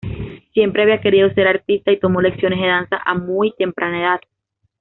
Siempre había querido ser artista y tomó lecciones de danza a muy temprana edad.